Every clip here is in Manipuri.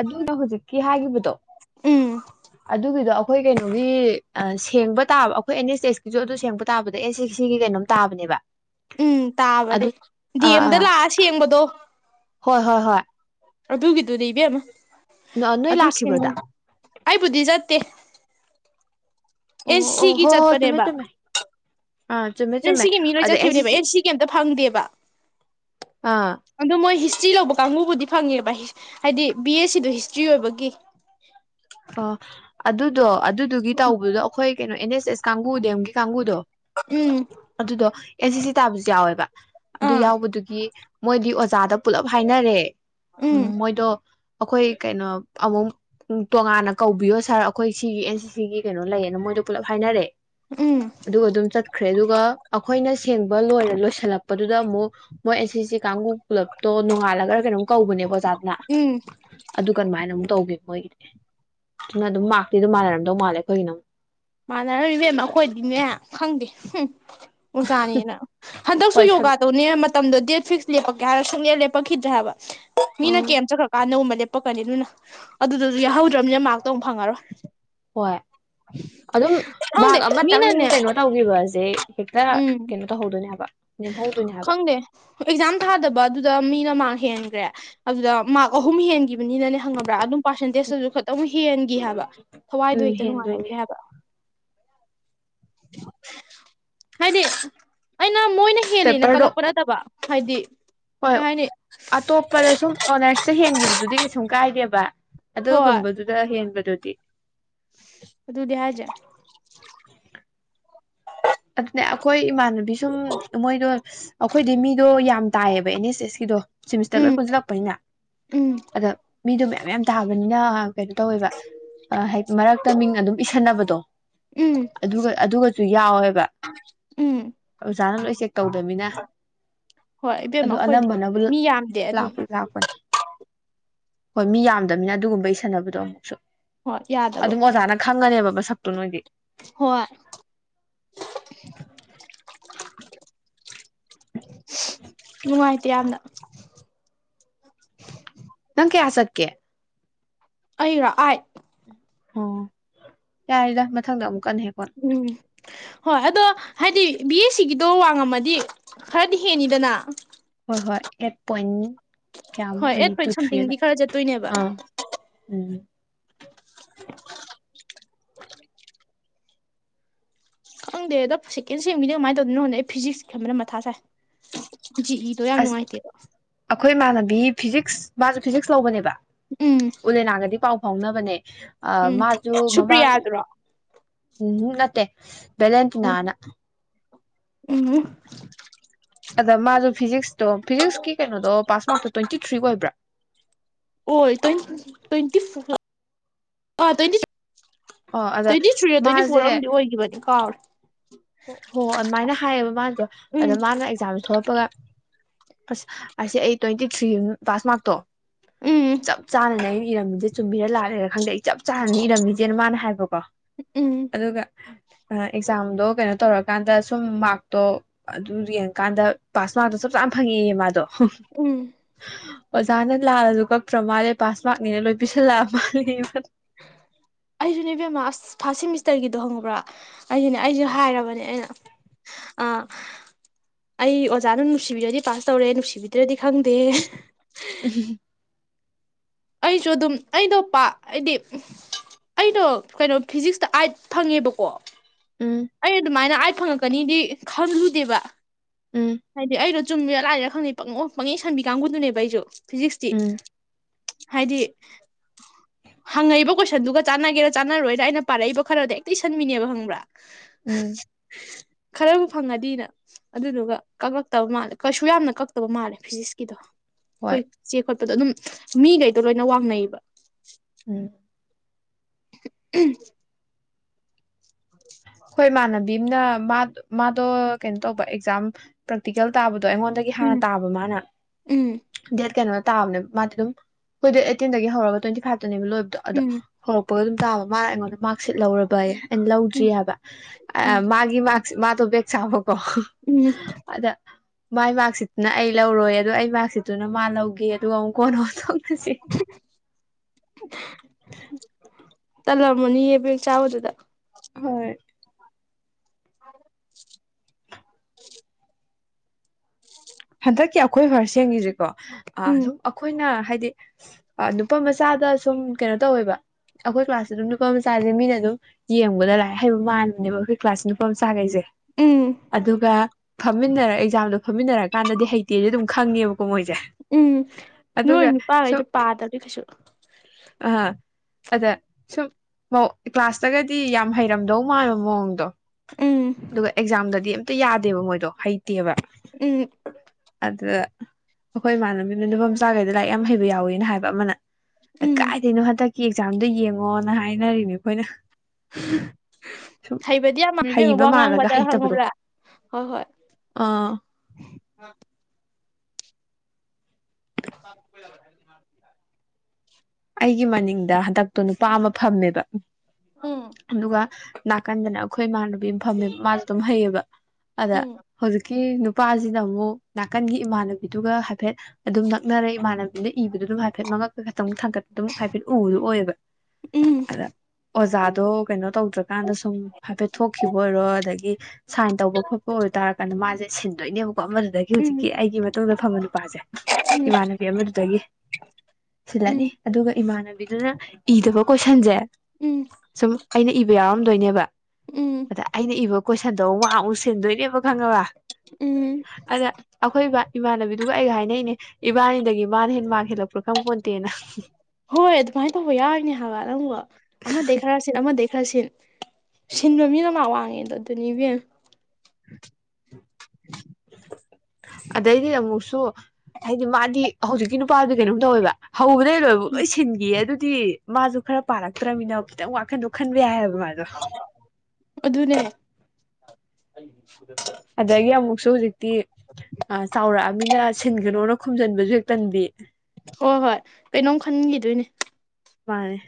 ꯑꯗꯨꯅ ꯍꯧꯖꯤꯛꯀꯤ ꯍꯥꯏꯈꯤꯕꯗꯣ ꯎꯝ ꯑꯗꯨꯒꯤꯗꯣ ꯑꯩꯈꯣꯏ ꯀꯩꯅꯣꯒꯤ ꯁꯦꯡꯕ ꯇꯥꯕ ꯑꯩꯈꯣꯏ ꯑꯦꯟ ꯑꯦꯁ ꯑꯦꯁꯀꯤꯁꯨ ꯑꯗꯨ ꯁꯦꯡꯕ ꯇꯥꯕꯗ ꯑꯦꯁ ꯑꯦꯁ ꯁꯤꯒꯤ ꯀꯩꯅꯣꯝ ꯇꯥꯕꯅꯦꯕ ꯎꯝ ꯑꯗꯨ ꯇꯥꯕꯅꯦ ꯑꯥ ꯒꯦꯝꯗ ꯑꯥ ꯂꯥꯛꯑ ꯁꯦꯡꯕꯗꯣ ꯍꯣꯏ ꯍꯣꯏ ꯍꯣꯏ ꯑꯗꯨꯒꯤꯗꯨꯅꯤ ꯏꯕꯦꯝꯃ ꯅꯣꯏ ꯑꯗꯨ ꯁꯤꯡꯉꯨ ꯂꯥꯛꯈꯤꯕ꯭ꯔꯣꯗ ꯑꯩꯕꯨꯗꯤ ꯆꯠ ꯇꯦ ꯑꯣ ꯑꯣ ꯉꯦꯟꯁꯤꯒꯤ ꯍꯣꯏ ꯍꯣꯏ ꯆꯨꯝꯃꯦ ꯆꯠꯄꯅꯦꯕ ꯆꯨꯝꯃꯦ ꯑꯥ ꯆꯨꯝꯃꯦ ꯑꯦꯟ ꯆꯨꯝꯃꯦ ꯁꯤꯒꯤ ꯃꯤ ꯂꯣꯏ ꯑꯗ ꯁꯤ ꯆꯠꯈꯤꯕꯅꯦꯕ ꯁꯤ ꯑꯦꯟ ꯁꯤꯒꯤ ꯑꯝꯇ ꯐꯪꯗꯦꯕ ꯑꯥ ꯑꯗꯣ ꯃꯣꯏ ꯍꯤꯁꯇ꯭꯭ꯔꯤ ꯂꯧꯕ ꯀꯥꯡꯕꯨꯗꯤ ꯐꯪꯉꯦꯕ ꯍꯥꯏꯗꯤ ꯕꯤ ꯑꯦꯁ ꯁꯤꯗꯣ ꯍꯤꯁꯇ꯭ꯔꯤ ꯑꯣꯏꯕꯒꯤ ꯑ ꯑꯗꯨ ꯑꯗꯨ ꯗꯣ ꯑꯗꯨꯗꯨꯒꯤ ꯇꯧꯕꯗꯣ ꯑꯩꯈꯣꯏ ꯀꯩꯅꯣ ꯑꯦꯟ ꯑꯦꯁ ꯑꯦꯁ ꯀꯥꯡꯕꯨ ꯗꯦꯝꯒꯤ ꯀꯥꯡꯕꯨꯗꯣ ꯎꯝ ꯑꯗꯨꯗꯣ ꯑꯦꯟ ꯁꯤ ꯁꯤ ꯇꯥꯕꯁꯨ ꯌꯥꯎꯋꯦꯕ ꯑꯗꯨ ꯑꯥ ꯌꯥꯎꯕꯗꯨꯒꯤ ꯃꯣꯏꯗꯤ ꯑꯣꯖꯥꯗ ꯄꯨꯜꯂꯞ ꯍꯥꯏꯅꯔꯦ ꯎꯝ ꯃꯣꯏ ꯗꯣ ꯑꯩꯈꯣꯏ ꯀꯩꯅꯣ ꯑꯃꯨꯛ ꯇꯣꯉꯥꯟꯅ ꯀꯧꯕꯤꯌꯣ ꯁꯥꯔ ꯑꯩꯈꯣꯏ ꯁꯤꯒꯤ ꯑꯦꯟ ꯁꯤ ꯁꯤꯒꯤ ꯀꯩꯅꯣ ꯂꯩꯌꯦꯅ ꯃꯣꯏꯗ ꯄꯨꯂꯞ ꯍꯥꯏꯅꯔꯦ ꯎꯝ ꯑꯗꯨꯒ ꯑꯗꯨꯝ ꯆꯠꯈ꯭ꯔꯦ ꯑꯗꯨꯒ ꯑꯩꯈꯣꯏꯅ ꯁꯦꯡ ꯂꯣꯏꯕ ꯂꯣꯏꯁꯤꯜ ꯂꯛꯄ ꯄꯗꯨꯗ ꯑꯃꯨꯛ ꯃꯣꯏ ꯗꯤꯖꯤꯛ ꯀꯥꯡꯒꯨ ꯄꯨꯂꯞꯇꯣ ꯅꯣꯡꯉꯥꯜꯂꯒ ꯀꯩꯅꯣꯝ ꯀꯧꯕꯅꯦꯕ ꯑꯣꯖꯥꯅ ꯎꯝ ꯑꯗꯨ ꯒ ꯑꯗꯨꯃꯥꯏꯅ ꯑꯃꯨꯛ ꯇꯧꯒꯤꯕꯅꯤ ꯃꯣꯏꯒꯤ ꯑꯗꯨꯅ ꯑꯗꯨꯝ ꯃꯥꯛꯇꯤ ꯑꯗꯨꯝ ꯃꯥꯟꯅꯔꯝꯗꯧ ꯃꯥꯜꯂꯦ ꯑꯩꯈꯣꯏꯒꯤꯅ ꯑꯃꯨꯛ ꯃꯥꯟꯅ ꯔꯣꯏ ꯏꯕꯦꯝꯃ ꯑꯩꯈꯣꯏꯗꯤꯅꯦ ꯈꯪꯗꯦ ꯍꯨꯝ ꯑꯣꯖꯥꯅꯤꯅ ꯍꯟꯗꯛꯁꯨ ꯍꯣꯏ ꯁꯞ ꯌꯣꯒꯥ ꯇꯧꯅꯦꯅ ꯃꯇꯝꯗꯣ ꯗꯦꯠ ꯐꯤꯛꯁ ꯂꯦꯞꯄꯛꯀꯦ ꯍꯥꯏꯔ ꯁꯨꯡꯂꯦꯞ ꯂꯦꯞꯄꯛꯈꯤꯗ꯭ꯔꯦ ꯍꯥꯏꯕ ꯃꯤꯅ ꯎꯝ ꯀꯦꯝ ꯆꯠꯈꯔ ꯀꯥꯟꯗ ꯂꯄꯛꯀꯅꯤ ꯑꯗꯨꯅ ꯑꯗꯨꯗꯁꯨ ꯌꯥꯎꯍꯧꯗ꯭ꯔꯕꯅꯤꯅ ꯃꯥꯔꯛꯇꯧ ꯐꯪꯉꯔꯣꯏ ꯍꯣꯏ ꯑꯗꯨꯝ ꯈꯪꯗꯦ ꯃꯍꯥꯛ ꯑꯃꯇꯪ ꯃꯤꯅꯅꯦ ꯀꯩꯅꯣ ꯇꯧꯈꯤꯕꯁꯦ ꯍꯦꯛꯇ ꯎꯝ ꯀꯩꯅꯣ ꯇꯧꯍꯧꯗꯣꯏꯅꯦꯕ ꯈꯪꯗꯦ ꯑꯦꯛꯖꯥꯝ ꯊꯥꯗꯕ ꯑꯗꯨꯗ ꯃꯤꯅ ꯃꯥꯔꯛ ꯍꯦꯟꯈ꯭ꯔꯦ ꯑꯗꯨꯗ ꯃꯥꯔꯛ ꯑꯍꯨꯝ ꯍꯦꯟꯈꯤꯕꯅꯤꯅꯅꯦ ꯈꯪꯉꯕ꯭ꯔꯥ ꯑꯗꯨꯝ ꯄꯥꯔꯁꯦꯟꯇꯦꯖꯇꯁꯨ ꯑꯃꯨꯛ ꯍꯦꯟꯈꯤ ꯍꯥꯏꯕ ꯊꯋꯥꯏꯗꯣ ꯎꯝ ꯍꯦꯛꯇ ꯍꯦꯟꯗꯣꯏꯅꯦ ꯅꯨꯡꯉꯥꯏꯍꯧꯗꯦ ꯍꯥꯏꯕ [inaudible] ꯍꯥꯏꯗꯤ ꯑꯩ ꯃꯣꯏꯅ ꯍꯦꯜꯂꯤꯅ ꯄꯦꯄꯔꯗꯣ ꯀꯜꯂꯛꯄ ꯅꯠꯇꯕ ꯍꯥꯏꯗꯤ ꯍꯣꯏ ꯀꯩ ꯍꯥꯏꯅꯤ ꯑꯇꯣꯞꯄꯗ ꯁꯨꯝ ꯑꯣꯅꯔꯁꯇ ꯍꯦꯟꯈꯤꯕꯗꯨꯗꯤ ꯀꯩꯁꯨꯝ ꯀꯥꯏꯗꯦꯕ ꯑꯗ ꯍꯣꯏ ꯒꯨꯝꯝꯕꯗꯨꯗ ꯌꯦꯟꯕꯗꯨꯗꯤ ꯑꯗꯨꯗꯤ ꯍꯥꯏꯁꯦ ꯑꯗꯨꯅꯦ ꯑꯩꯈꯣꯏ ꯏꯃꯥꯟꯅꯕꯤ ꯁꯨꯝ ꯃꯣꯏꯗꯣ ꯑꯩꯈꯣꯏꯗꯤ ꯃꯤꯗꯣ ꯌꯥꯝ ꯇꯥꯏꯌꯦꯕ ꯑꯦꯟ ꯑꯦ ꯑꯦꯁꯀꯤꯗꯣ ꯁꯤꯃꯤꯁꯇꯔ ꯎꯝ ꯂꯣꯏ ꯄꯨꯟꯁꯤꯜꯂꯛꯄꯅꯤꯅ ꯎꯝ ꯑꯗ ꯃꯤꯗꯣ ꯃꯌꯥꯝ ꯌꯥꯝ ꯇꯥꯕ ꯇꯔꯛꯄꯅꯤꯅ ꯀꯩꯅꯣ ꯇꯧꯋꯦꯕ ꯍꯥꯏ ꯃꯔꯛꯇ ꯃꯤꯡ ꯑꯗꯨꯝ ꯄꯤꯁꯟꯅꯕꯗꯣ ꯎꯝ ꯑꯗꯨꯒ ꯑꯗꯨꯒꯁꯨ ꯌꯥꯎꯋꯦꯕ ꯎꯝ ꯑꯣꯖꯥꯅ ꯂꯣꯏ ꯆꯦꯛ ꯇꯧꯗꯃꯤꯅ ꯍꯣꯏ ꯑꯗꯣ ꯏꯕꯦꯝꯃ ꯑꯩꯈꯣꯏꯗꯤ ꯑꯅꯝꯕꯅꯕꯨ ꯃꯤ ꯌꯥꯝꯗꯦ ꯑꯗꯨꯝ ꯂꯥꯛꯄ ꯂꯥꯛꯄꯅꯦ ꯍꯣꯏ ꯃꯤ ꯌꯥꯝꯗꯅꯤꯅ ꯑꯗꯨꯒꯨꯝꯕ ꯏꯁꯟꯅꯅꯕꯗꯣ ꯑꯃꯨꯛꯁꯨ ꯍꯣꯏ ꯌꯥꯗꯕ ꯑꯗꯨꯝ ꯑꯣꯖꯥꯅ ꯈꯪꯉꯅꯦꯕ ꯃꯁꯛ ꯗꯨ ꯅꯣꯏꯗꯤ ꯍꯣꯏ ꯅꯨꯡꯉꯥꯏꯇꯦ ꯌꯥꯝꯅ [inaudible] ꯅꯪ ꯀꯌꯥ ꯆꯠꯀꯦ ꯑꯩꯔꯣ ꯑꯥꯏꯠ ꯑꯣ ꯌꯥꯔꯦꯗ ꯃꯊꯪꯗ ꯑꯃꯨꯛ ꯀꯟꯅ ꯍꯦꯛ ꯍꯣꯠꯅꯧ ꯎꯝ ꯍꯣꯏ ꯑꯗꯣ ꯍꯥꯏꯗꯤ ꯕꯤ ꯑꯦꯁ ꯁꯤꯒꯤꯗꯣ ꯋꯥꯡꯉꯝꯃꯗꯤ ꯈꯔꯗꯤ ꯍꯦꯟꯅꯤꯗꯅ ꯍꯣꯏ ꯍꯣꯏ ꯑꯦꯠ ꯄꯣꯏꯟ ꯍꯣꯏ ꯀꯌꯥꯃꯨꯛ ꯑꯣꯏꯅꯤ ꯑꯦꯠ ꯇꯨ ꯐꯣꯏꯠ ꯊ꯭ꯔꯤꯗ ꯁꯝꯊꯤꯡꯗꯤ ꯈꯔ ꯆꯠꯇꯣꯏꯅꯦꯕ ꯑꯥ ꯎꯝ ꯈꯪꯗꯦ ꯑꯗꯣ ꯁꯦꯀꯦꯟ ꯁꯦꯡꯒꯤꯗꯤꯅꯦ ꯀꯃꯥꯏꯅ ꯇꯧꯗꯅꯣ ꯈꯪꯟꯗ ꯑꯩ ꯐꯤꯖꯤꯛꯁ ꯈꯟꯕꯅ ꯃꯊꯥ ꯁꯥꯏ ꯖꯤ ꯏꯗꯣ ꯌꯥꯝ ꯅꯨꯡꯉꯥꯏꯇꯦꯕ ꯕꯤꯑꯦ ꯐꯤꯖꯤꯛꯁ ꯃꯥꯁꯨ ꯐꯤꯖꯤꯛꯁ ꯂꯧꯕꯅꯦꯕ ꯎꯝ ꯎꯜꯂꯦ ꯅꯥꯒꯗꯤ ꯄꯥꯎ ꯐꯥꯎꯅꯕꯅꯦ ꯑꯥ ꯎꯝ ꯃꯥꯁꯨ ꯃꯃꯥꯡ ꯁꯨꯄ꯭ꯔꯤꯌꯥꯗꯨꯔꯣ ꯅꯠꯇꯦ ꯕꯦꯂꯦꯟꯇꯤꯟꯅ ꯎꯝ ꯎꯝ ꯑꯗ ꯃꯥꯁꯨꯣ ꯐꯤꯖꯤꯛꯁꯇꯣ ꯐꯤꯖꯤꯛꯁꯀꯤ ꯀꯩꯅꯣꯗꯣ ꯄꯥꯁ ꯃꯥꯔꯛꯇꯣ ꯇ꯭ꯋꯦꯟꯇꯤ ꯊ꯭ꯔꯤ ꯑꯣꯏꯕ꯭ꯔꯥ ꯑꯣꯏ ꯇ꯭ꯋꯦꯟ ꯇ꯭ꯋꯦꯟꯇꯤ ꯐꯣꯔ ꯑꯥ ꯇ꯭ꯋꯦꯟꯇꯤꯁꯤ ꯑꯣ ꯑꯗ ꯃꯥꯁꯦ ꯑꯃꯗꯤ ꯑꯣꯏꯈꯤꯕꯅꯤ ꯀꯥꯎꯔꯦ ꯍꯣ ꯑꯗꯨꯃꯥꯏꯅ ꯍꯥꯏꯕ ꯎꯝ ꯑꯗ ꯃꯥꯅ ꯑꯦꯛꯖꯥꯝꯁꯨ ꯊꯣꯛꯂꯛꯄꯒ ꯑꯁ ꯑꯁꯤꯁ ꯑꯩ ꯇ꯭ꯋꯦꯟꯇꯤ ꯊ꯭ꯔꯤ ꯄꯥꯁ ꯃꯥꯔꯛꯇꯣ ꯎꯝ ꯆꯞ ꯆꯥꯅ ꯂꯩ ꯏꯔꯝꯃꯤꯁꯦ ꯆꯨꯝꯕꯤꯔ ꯂꯥꯜꯂꯦ ꯈꯪꯗꯦ ꯑꯩꯞ ꯆꯥꯅ ꯏꯔꯃꯤꯁꯦꯅ ꯃꯥꯅ ꯍꯥꯏꯕꯀꯣ ꯎꯝ ꯑꯗꯨꯒ ꯑꯦꯛꯖꯥꯝꯗꯣ ꯀꯩꯅꯣ ꯇꯧꯔꯀꯥꯟꯗ ꯁꯨꯝ ꯃꯥꯔꯛꯇꯣ ꯑꯗꯨ ꯌꯦꯡꯉꯀꯥꯟꯗ ꯄꯥꯁ ꯃꯥꯔꯛꯇꯣ ꯆꯞ ꯆꯥꯅ ꯐꯪꯉꯛꯑꯦ ꯃꯥꯗꯣ ꯎꯝ ꯑꯣꯖ ꯆꯥꯅ ꯂꯥꯜꯂꯁꯨ ꯀꯛꯇ꯭ꯔ ꯃꯥꯜꯦ ꯄꯥꯁ ꯃꯥꯔꯛꯅꯤꯅ ꯂꯣꯏ ꯄꯤꯁꯜꯂꯛꯑꯕ ꯃꯥꯜꯂꯦꯌꯦ ꯃꯗꯣ ꯑꯩꯁꯨꯅꯦ ꯏꯕꯦꯝꯃ ꯐꯥꯔꯁ ꯁꯦꯃꯤꯁꯇꯔꯒꯤꯗꯣ ꯍꯪꯉꯕ꯭ꯔꯥ ꯑꯩꯗꯤꯅꯦ ꯑꯩꯁꯨ ꯍꯥꯏꯔꯕꯅꯦ ꯑꯩꯅ ꯑꯩ ꯑꯣꯖꯥꯅ ꯅꯨꯡꯁꯤꯕꯤꯔꯗꯤ ꯄꯥꯁ ꯇꯧꯔꯦ ꯅꯨꯡꯁꯤꯕꯤꯗ꯭ꯔꯗꯤ ꯈꯪꯗꯦ ꯑꯩꯁꯨ ꯑꯗꯨꯝ ꯑꯩꯗꯣ ꯄ ꯍꯥꯏꯗꯤ ꯑꯩꯗꯣ ꯀꯩꯅꯣ ꯐꯤꯖꯤꯛꯁꯇ ꯑꯥꯏꯠ ꯐꯪꯉꯦꯕꯀꯣ ꯎꯝ ꯑꯩ ꯑꯗꯨꯃꯥꯏꯅ ꯑꯥꯏꯠ ꯐꯪꯉꯛꯀꯅꯤꯗꯤ ꯈꯪꯂꯨꯗꯦꯕ ꯎꯝ ꯍꯥꯏꯗꯤ ꯑꯩꯗꯣ ꯆꯨꯝꯃꯤꯔ ꯂꯥꯏꯏꯔ ꯈꯪꯗꯦ ꯄꯪꯏ ꯑꯣꯏ ꯄꯪꯏ ꯏ ꯁꯟꯕꯤ ꯀꯥꯡꯕꯨꯗꯨꯅꯦꯕ ꯑꯩꯁꯨ ꯐꯤꯖꯤꯛꯁꯇ ꯎꯝ ꯍꯥꯏꯗꯤ ꯍꯪꯉꯛꯏꯕ ꯀꯣꯏꯁꯟꯗꯨꯒ ꯆꯥꯟꯅꯒꯦꯔ ꯆꯥꯟꯅꯔꯣꯏꯔ ꯑꯩꯅ ꯄꯥꯔꯛꯏꯕ ꯈꯔꯗ ꯍꯦꯛꯇ ꯏꯁꯁꯟꯃꯤꯅꯦꯕ ꯍꯪꯕ꯭ꯔꯥ ꯍꯍ ꯎꯝ ꯈꯔꯕꯨ ꯐꯪꯉꯗꯤꯅ ꯑꯗꯨꯗꯨꯒ ꯀꯛꯂꯛꯇꯕ ꯃꯥꯜꯂꯦ ꯀꯩꯁꯨ ꯌꯥꯝꯅ ꯀꯛꯇꯕ ꯃꯥꯜꯂꯦ ꯐꯤꯖꯤꯛꯁꯀꯤꯗꯣ ꯍꯣꯏ ꯑꯩꯈꯣꯏ ꯆꯦ ꯈꯣꯠꯄꯗ ꯑꯗꯨꯝ ꯃꯤꯈꯩꯗꯣ ꯂꯣꯏꯅ ꯋꯥꯡꯅꯩꯕ ꯎꯝ ꯎꯝ ꯕꯤꯝꯅ ꯃꯗꯣ ꯀꯩꯅꯣ ꯇꯧꯕ ꯑꯦꯛꯖꯥꯝ ꯄ꯭ꯔꯦꯛꯇꯤꯀꯦꯜ ꯇꯥꯕ ꯑꯗꯣ ꯑꯩꯉꯣꯟꯗꯒꯤ ꯍꯥꯟꯅ ꯎꯝ ꯇꯥꯕ ꯃꯥꯅ ꯎꯝ ꯗꯦꯠ ꯀꯩꯅꯣ ꯇꯥꯕꯅꯦ ꯃꯥꯗꯤ ꯑꯗꯨꯝ ꯃꯣꯏꯗꯣ ꯗꯦꯠ ꯑꯩꯇꯤꯟ ꯍꯧꯔꯒ ꯇ꯭ꯋꯦꯟꯇꯤ ꯐꯥꯏꯚ ꯇꯅꯦꯕ ꯂꯣꯏꯕꯗꯣ ꯑꯗꯣ ꯎꯝ ꯍꯧꯔꯛꯄ ꯇꯥꯕ ꯃꯥ ꯑꯩꯉꯣꯟꯗ ꯃꯥꯔꯛ ꯁꯤꯠ ꯂꯧꯔꯕ ꯌꯦ ꯑꯩꯅ ꯂꯧꯗ꯭ꯔꯤ ꯎꯝ ꯍꯥꯏꯕ ꯑ ꯎꯝ ꯃꯥꯒꯤ ꯃꯥ ꯃꯥꯒꯤ ꯃꯥꯛꯁꯤꯠ ꯕꯦꯛ ꯆꯥꯕ ꯎꯝ ꯑꯗ ꯃꯥꯏ ꯃꯥꯔꯁꯤꯠꯇꯨꯅ ꯑꯩ ꯂꯧꯔꯣꯏ ꯑꯗꯣ ꯑꯩ ꯃꯥꯔꯁꯤꯠꯇꯨꯅ ꯃꯥ ꯂꯧꯒꯦ ꯑꯗꯨꯒ ꯑꯃꯨꯛ ꯀꯣꯟꯅ ꯑꯣꯟꯊꯣꯛ ꯁꯤ ꯇꯜꯂꯝꯃꯅꯤꯌꯦ ꯕꯦꯛꯆꯥ ꯍꯨꯖꯤꯛꯇ ꯍꯣꯏ [unintelligible] [inaudible] ꯍꯟꯗꯛꯀꯤ ꯑꯩꯈꯣꯏ ꯐꯔ ꯁꯦꯝꯒꯤꯁꯦ ꯀꯣ ꯎꯝ ꯑꯗꯨꯝ ꯑꯈꯣꯏꯅ ꯍꯥꯏꯗꯤ ꯅꯨꯄꯥ ꯃꯆꯥꯗ ꯁꯨꯝ ꯀꯩꯅꯣ ꯇꯧꯋꯦꯕ ꯑꯩꯈꯣꯏ ꯀ꯭ꯂꯥꯁꯇ ꯑꯗꯨꯝ ꯅꯨꯄꯥ ꯃꯆꯥꯁꯦ ꯃꯤꯅ ꯑꯗꯨꯝ ꯌꯦꯡꯕꯗ ꯂꯥꯏꯔꯤꯛ ꯍꯩꯕ ꯃꯥꯟꯕꯅꯦꯕ ꯑꯩꯈꯣꯏ ꯀ꯭ꯂꯥꯁ ꯅꯨꯄꯥ ꯃꯆꯥꯈꯩꯁꯦ ꯎꯝ ꯑꯗꯨꯒ ꯐꯝꯃꯤꯟꯅꯔ ꯑꯦꯛꯖꯥꯝꯗꯣ ꯐꯝꯃꯤꯟꯅꯔ ꯀꯥꯟꯗꯗꯤ ꯍꯩꯇꯦꯁꯦ ꯑꯗꯨꯝ ꯈꯪꯉꯦꯕ ꯎꯝ ꯅꯣꯏ ꯅꯨꯄꯥꯈꯩꯗꯣ ꯁꯨꯝ ꯄꯥꯗꯕꯅꯦ ꯀꯩꯁꯨ ꯑꯥ ꯑꯗ ꯁꯨꯝ ꯀ꯭ꯂꯥꯁꯇꯒꯗꯤ ꯌꯥꯝ ꯍꯩꯔꯝꯗꯧ ꯃꯥꯥꯟꯕ ꯃꯑꯣꯡꯗꯣ ꯎꯝ ꯑꯗꯨꯒ ꯑꯦꯛꯖꯥꯝꯗꯗꯤ ꯑꯝꯇ ꯌꯥꯗꯦꯕ ꯃꯣꯏꯗꯣ ꯍꯩꯇꯦꯕ ꯎꯝ ꯑꯗꯨꯗ ꯑꯩꯈꯣꯏ ꯏꯃꯥꯟꯅꯕꯤ ꯑꯃꯅ ꯅꯨꯐꯝꯆꯥꯈꯩꯗ ꯂꯥꯏꯔꯤꯛ ꯌꯥꯝ ꯍꯩꯕ ꯌꯥꯎꯋꯤꯅ ꯍꯥꯏꯕ ꯑꯃꯅ ꯎꯝ ꯀꯥꯏꯗꯅꯣꯍꯗꯛ ꯑꯦꯛꯖꯥꯝꯗꯣ ꯌꯦꯡꯉꯣꯅ ꯍꯥꯏꯅꯔꯤꯅꯦ ꯑꯩꯈꯣꯏꯅ ꯁꯨꯝ ꯍꯩꯕꯗꯤ ꯌꯥꯝ ꯃꯂꯤꯕ ꯍꯩꯕ ꯋꯥ ꯃꯥꯜꯂꯒ ꯉꯥꯡꯕꯗ ꯍꯩꯇꯕꯗꯣ ꯍꯪꯉꯕ꯭ꯔꯥ ꯍꯣꯏ ꯍꯣꯏ ꯑꯥ ꯑ [unintelligible] ꯑꯩꯒꯤ ꯃꯅꯤꯡꯗ ꯍꯟꯗꯛꯇꯣ ꯅꯨꯄꯥ ꯑꯃ ꯐꯝꯃꯦꯕ ꯎꯝ ꯑꯗꯨꯒ ꯅꯥꯀꯟꯗꯅ ꯑꯩꯈꯣꯏ ꯏꯃꯥꯟꯅꯕꯤ ꯑꯃ ꯐꯝꯃꯦ ꯃꯥꯁꯨ ꯑꯗꯨꯝ ꯍꯩꯌꯦꯕ ꯑꯗ ꯎꯝ ꯍꯧꯖꯤꯛ ꯀ ꯅꯨꯄꯥ ꯑꯖꯤꯅꯃꯨ ꯅꯥꯀꯟꯒꯤ ꯏꯃꯥꯟꯅꯕꯤꯗꯨꯒ ꯍꯥꯏꯐꯦꯠ ꯑꯗꯨꯝ ꯅꯛꯅꯔꯦ ꯏꯃꯥꯟꯅꯕꯤꯅ ꯏꯕꯗꯨ ꯑꯗꯨꯝ ꯍꯥꯏꯐꯦꯠ ꯃꯉꯛꯇ ꯈꯛꯇꯪ ꯊꯥꯡꯒꯠ ꯑꯗꯨꯝ ꯍꯥꯏꯐꯦꯠ ꯎꯕꯗꯣ ꯑꯣꯏꯌꯦꯕ ꯎꯝ ꯑꯗ ꯑꯣꯖꯥꯗꯣ ꯀꯩꯅꯣ ꯇꯧꯗ꯭ꯔ ꯀꯥꯟꯗ ꯁꯨꯝ ꯍꯥꯏꯐꯦꯠ ꯊꯣꯛꯈꯤꯕ ꯑꯣꯏꯔꯣ ꯑꯗꯒꯤ ꯁꯥꯏꯟ ꯇꯧꯕ ꯈꯣꯠꯄ ꯑꯣꯏ ꯇꯔꯀꯥꯟꯗ ꯃꯥꯖꯦ ꯁꯤꯟꯗꯣꯏꯅꯦꯕ ꯑꯃꯗꯨꯗꯒꯤ ꯎꯝ ꯍꯧꯖꯤꯛꯀꯤ ꯑꯩꯒꯤ ꯃꯇꯨꯡꯗ ꯐꯝꯕ ꯅꯨꯄꯥꯁꯦ ꯎꯝ ꯏꯃꯥꯟꯅꯕꯤ ꯑꯃꯗꯨꯗꯒꯤ ꯁꯤꯜꯂꯅꯤ ꯏꯃꯥꯟꯅꯕꯤꯗꯨꯅ ꯏꯗꯕ ꯀꯣꯏꯁꯟꯖꯦ ꯎꯝ ꯁꯨꯝ ꯑꯩꯅ ꯏꯕ ꯌꯤꯎ ꯗꯣꯢꯅꯦꯕ ꯎꯝ ꯎꯝ ꯑꯗ ꯑꯩꯅ ꯏꯕ ꯀꯣꯏꯁꯟꯗꯣ ꯋꯥ ꯑꯃꯨꯛ ꯁꯤꯟꯗꯣꯏꯅꯦꯕ ꯈꯪꯉꯕ ꯎꯝ ꯑꯗ ꯑꯩꯈꯣꯏ ꯏ ꯏꯃꯥꯟꯅꯕꯤꯗꯨ ꯑꯗꯨꯒ ꯑꯩꯒ ꯍꯥꯏꯅꯩꯅꯦ ꯏꯕꯥꯅꯤꯗꯒꯤ ꯃꯥꯅ ꯍꯦ ꯃꯥ ꯍꯦꯜꯂꯛꯄ꯭ꯔꯥ ꯈꯪ ꯄꯣꯟꯇꯦꯅ ꯍꯣꯏ ꯑꯗꯨꯃꯥꯏꯅ ꯇꯧꯕ ꯌꯥꯎꯔꯤꯅꯦ ꯍꯥꯢꯕ ꯅꯪꯕꯨ ꯑꯃꯗꯩ ꯈꯔ ꯁꯤꯟ ꯑꯃꯗꯩ ꯈꯔ ꯁꯤꯟ ꯁꯤꯟꯕ ꯃꯤꯅ ꯃꯥꯥꯛ ꯋꯥꯡꯉꯦꯗꯣ ꯑꯗꯨꯅꯤ ꯏꯕꯦꯝ ꯑꯗꯩꯗꯤ ꯑꯃꯨꯛꯁꯨ ꯍꯥꯏꯗꯤ ꯃꯥꯗꯤ ꯍꯧꯖꯤꯛꯀꯤ ꯅꯨꯄꯥꯗꯨꯗꯤ ꯀꯩꯅꯣꯝ ꯇꯧꯋꯦꯕ ꯍꯧꯕꯗꯒꯤ ꯂꯣꯏꯕꯧ ꯂꯣꯏ ꯁꯤꯟꯒꯦꯌꯦ ꯑꯗꯨ ꯗꯤ ꯃꯥꯁꯨ ꯈꯔ ꯄꯥꯔꯛꯇ꯭ꯔꯝꯅꯤꯅ ꯈꯤꯇꯪ ꯋꯥꯈꯟꯗꯣ ꯈꯟꯕ ꯌꯥꯏ ꯍꯥꯏꯕ ꯃꯥꯗꯣ ꯑꯗꯨꯅꯦ ꯑꯗꯒꯤ ꯑꯃꯨꯛꯁꯨ ꯍꯧꯖꯤꯛꯇꯤ ꯆꯥꯎꯔꯛꯑꯝꯅꯤꯅ ꯁꯤꯟꯒꯅꯣꯅ ꯈꯨꯝꯖꯟꯕꯁꯨ ꯍꯦꯛꯇꯟꯕꯤ ꯍꯣꯏ ꯍꯣꯏ ꯀꯩꯅꯣꯝ ꯈꯟꯒꯝꯗꯣꯏꯅꯦ ꯃꯥꯅꯦ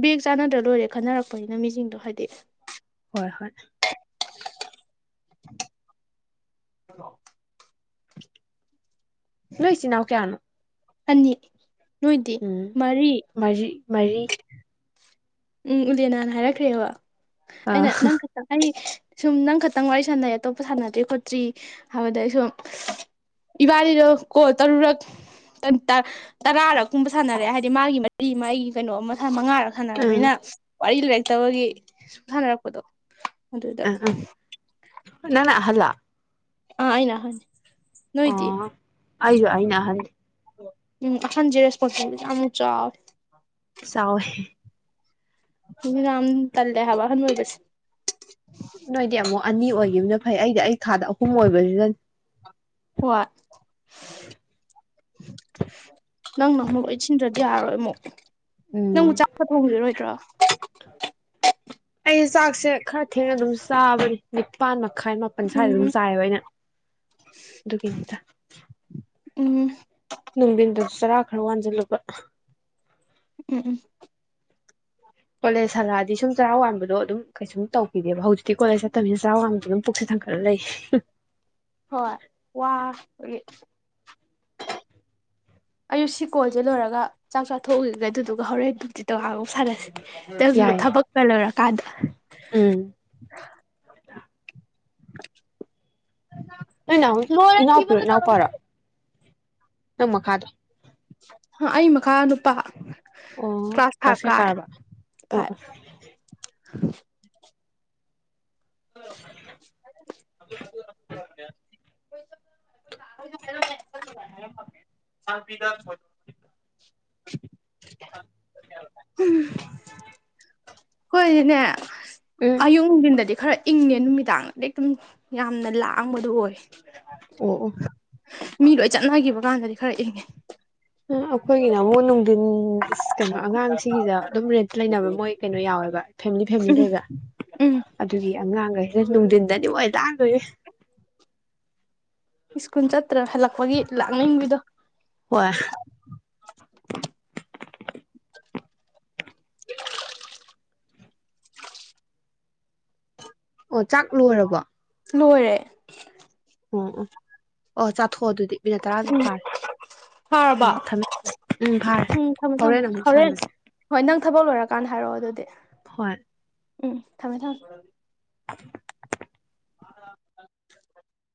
ꯕꯦꯒ ꯆꯥꯟꯅꯗ꯭ꯔ ꯂꯣꯏꯔꯦ ꯈꯟꯅꯔꯛꯄꯅꯤꯅ ꯃꯤꯁꯤꯡꯗꯣ ꯍꯥꯏꯗꯤ ꯍꯣꯏ ꯍꯣꯏ [inaudible] ꯅꯣꯏ ꯆꯤꯟꯅꯥꯎ ꯀꯌꯥꯅꯣ ꯑꯅꯤ ꯅꯣꯏꯗꯤ ꯎꯝ ꯃꯔꯤ ꯃꯔꯤ ꯃꯔꯤ ꯎꯝ ꯎꯂꯦꯅꯥꯅ ꯍꯥꯏꯔꯛꯈ꯭ꯔꯦꯕ ꯑ ꯑꯩꯅ ꯅꯪ ꯈꯇꯪ ꯍꯩ ꯁꯨꯝ ꯅꯪ ꯈꯇꯪ ꯋꯥꯔꯤ ꯁꯥꯟꯅꯩ ꯑꯇꯣꯞꯄ ꯁꯥꯟꯅꯗ꯭ꯔꯤ ꯈꯣꯠꯇ꯭ꯔꯤ ꯍꯥꯏꯕꯗꯒꯤ ꯁꯨꯝ ꯏꯕꯥꯅꯤꯗꯣ ꯀꯣ ꯇꯔꯨꯔꯛ ꯇꯔꯥꯔꯛ ꯀꯨꯝꯕ ꯁꯥꯟꯅꯔꯦ ꯍꯥꯏꯗꯤ ꯃꯥꯒꯤ ꯃꯔꯤ ꯃꯥꯒꯤ ꯀꯩꯅꯣ ꯑꯃ ꯃꯉꯥꯔꯛ ꯎꯝ ꯃꯤꯅ ꯋꯥꯔꯤ ꯂꯩꯔꯛꯇꯕꯒꯤ ꯁꯨꯝ ꯁꯥꯟꯅꯔꯛꯄꯗꯣ ꯑꯗꯨꯗ ꯎꯝ ꯎꯝ ꯅꯪꯅ ꯑꯍꯟꯂ ꯑꯥ ꯑꯩꯅ ꯑꯍꯟꯅꯦ ꯑꯣ ꯑꯩꯁꯨ ꯑꯩꯅ ꯑꯍꯜꯅꯦ ꯎꯝ ꯑꯍꯟꯖꯦ ꯔꯦꯁꯄꯣꯟꯁꯤꯕꯤꯂꯤ ꯌꯥꯝꯅ ꯆꯥꯎꯋꯦ ꯆꯥꯎꯋꯦ ꯏꯔꯝ ꯇꯟꯂꯦ ꯍꯥꯕ ꯑꯍꯟ ꯑꯣꯏꯕꯁꯦ ꯊꯥꯗ ꯑꯍꯨꯝ ꯑꯣꯏꯕꯅꯤꯅ ꯍꯣꯏ [inaudible] ꯅꯪꯅ ꯑꯃꯨꯛ ꯂꯣꯏ ꯁꯤꯟꯗ꯭ꯔꯗꯤ ꯌꯥꯔꯔꯣꯏ ꯑꯃꯨꯛ ꯎꯝ ꯅꯪꯕꯨ ꯆꯥꯛꯄ ꯊꯣꯡꯕꯤꯔꯔꯣꯏꯗ꯭ꯔꯣ [inaudible] ꯑꯩ ꯆꯥꯛꯁꯦ ꯈꯔ ꯊꯦꯡꯅ ꯑꯗꯨꯝ ꯆꯥꯕꯅꯤ ꯅꯤꯄꯥꯟ ꯃ ꯥꯈꯥꯏ ꯃꯥꯄꯟ ꯁ꯭ꯋꯥꯏꯗ ꯑꯗꯨꯝ ꯎꯝ ꯆꯥꯏꯌꯦꯕ ꯑꯩꯅ ꯑꯗꯨꯒꯤꯅꯤꯗ ꯎꯝ ꯅꯨꯡꯗꯤꯟꯗꯁꯨ ꯆꯥꯔꯥ ꯈꯔ ꯋꯥꯟ ꯂꯄꯥ ꯎꯝ ꯎꯝ ꯀꯣꯂꯦꯖ ꯍꯜꯂꯛꯑꯗꯤ ꯁꯨꯝ ꯆꯔꯥ ꯋꯥꯟꯕꯗꯣ ꯑꯗꯨꯝ ꯀꯩꯁꯨ ꯇꯧꯈꯤꯗꯦꯕ ꯍꯧꯖꯤꯛꯇꯤ ꯀꯣꯂꯦꯖ ꯆꯠꯇꯝꯅꯤꯅ ꯆꯔꯥ ꯋꯥꯟꯕꯗꯣ ꯑꯗꯨꯝ ꯄꯨꯛꯁꯦ ꯊꯟꯒꯠꯂ ꯂꯩ ꯍꯣꯏ ꯋꯥ ꯕꯒꯤ ꯑꯩ ꯁꯤ ꯀꯣꯜꯁꯦ ꯂꯣꯏꯔꯒ ꯆꯥꯛ ꯆꯥꯊꯣꯛꯎꯏꯒꯦ ꯑꯗꯨꯗꯨꯒ ꯍꯣꯔꯦꯟ ꯅꯨꯡꯗꯤꯟꯗ ꯉꯥꯍꯥꯛ ꯃꯨꯛ ꯁꯥꯟꯅꯁꯦ ꯌꯥꯏꯌꯦ [unintelligible] ꯀꯥꯗ ꯎꯝ ꯅꯣꯏ ꯅꯥꯎ ꯂꯣꯏꯔꯦ ꯊꯤꯕ ꯏꯅꯥꯎꯄꯤꯔꯣ ꯀꯩꯀꯥ ꯂꯣꯏ ꯏꯅꯥꯎꯄꯔꯣ ꯂꯣꯏꯔꯦ ꯅꯪ ꯃꯈꯥꯗꯣ ꯍ ꯑꯩ ꯃꯈꯥ ꯅꯨꯄꯥ ꯑꯣ ꯀ꯭ꯂꯥꯁ ꯐꯥꯏꯚ ꯀ꯭ꯂꯥꯁꯦ ꯀꯌꯥ ꯀꯥꯔꯦ ꯀꯥꯔꯕ ꯑꯣ ꯐꯥꯏꯚ ꯑꯣ [inaudible] [inaudible] [unintelligible] ꯈꯣꯏꯗꯤꯅꯦ ꯎꯝ ꯑꯌꯨꯛ ꯅꯨꯡꯗꯤꯟꯗꯗꯤ ꯈꯔ ꯏꯪꯉꯦ ꯅꯨꯃꯤꯗꯥꯡꯅꯗꯤ ꯑꯗꯨꯝ ꯌꯥꯝꯅ ꯂꯥꯡꯕꯗꯣ ꯑꯣꯏ ꯑꯣ ꯑꯣ ꯃꯤ ꯂꯣꯏ ꯆꯠꯅꯈꯤꯕ ꯀꯥꯟꯗꯗꯤ ꯈꯔ ꯏꯪꯉꯦ ꯑꯩꯈꯣꯏꯒꯤꯅ ꯑꯃꯨꯛ ꯅꯨꯡꯊꯤꯟ ꯏꯁ ꯀꯩꯅꯣ ꯑꯉꯥꯡꯁꯤꯒꯤꯗ ꯑꯗꯨꯝ ꯔꯦꯟꯠ ꯂꯩꯅꯕ ꯃꯣꯏ ꯀꯩꯅꯣ ꯌꯥꯎꯋꯦꯕ ꯐꯦꯃꯤꯂꯤ ꯐꯦꯃꯤꯂꯤ ꯎꯝ ꯂꯩꯕ ꯎꯝ ꯑꯗꯨꯒꯤ ꯑꯉꯥꯡꯒꯩ ꯅꯨꯡꯗꯤꯟꯗꯅꯦ ꯃꯣꯏ ꯂꯥꯡꯗꯣꯏꯖꯦ ꯁ꯭ꯀꯨꯟ ꯆꯠ ꯇ꯭ꯔ ꯍꯜꯂꯛꯄꯒꯤ ꯂꯥꯛꯅꯤꯡꯕꯤꯗꯣ ꯍꯣꯏ [unintelligible] ꯑꯣꯠ ꯆꯥꯛ ꯂꯣꯏꯔꯕꯣ ꯂꯣꯏꯔꯦ ꯎꯝ ꯎꯝ ꯑꯣ ꯆꯥꯊꯣ ꯎꯝ ꯐꯔꯕ ꯎꯝ ꯊꯝꯃꯦ ꯎꯝ ꯐꯥꯔꯦ ꯎꯝ ꯊꯝꯃꯣ ꯊꯝꯃꯣ ꯑꯃꯨꯛ ꯍꯣꯔꯦꯟ ꯁꯥꯟꯅꯁꯤ ꯍꯣꯏ ꯅꯪ ꯊꯕꯛ ꯂꯣꯏꯔꯀꯥꯟꯗ ꯍꯥꯏꯔꯛꯑꯣ ꯑꯗꯨꯗꯤ ꯍꯣꯏ ꯎꯝ ꯊꯝꯃꯦ ꯊꯝꯃꯦ [unintelligible]